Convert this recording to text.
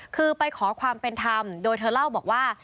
คือไปขอความเป็นธรรมโดยเธอเล่าบอกว่า